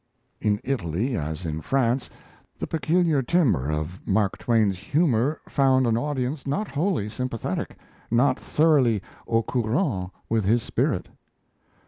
In Italy, as in France, the peculiar timbre of Mark Twain's humour found an audience not wholly sympathetic, not thoroughly au courant with his spirit.